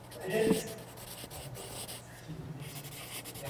The Soo Line Railroad leased the depot.